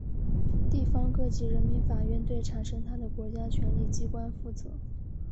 地方各级人民法院对产生它的国家权力机关负责。